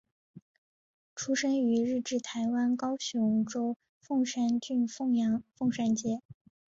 出生于日治台湾高雄州凤山郡凤山街。